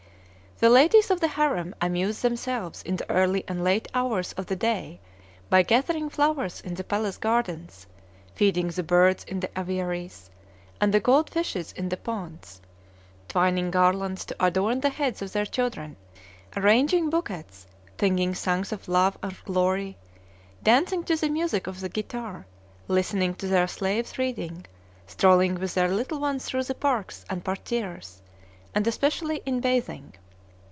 The ladies of the harem amuse themselves in the early and late hours of the day by gathering flowers in the palace gardens, feeding the birds in the aviaries and the gold fishes in the ponds, twining garlands to adorn the heads of their children, arranging bouquets, singing songs of love or glory, dancing to the music of the guitar, listening to their slaves' reading, strolling with their little ones through the parks and parterres, and especially in bathing.